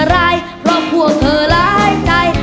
เพราะพวกเธอร้ายใจ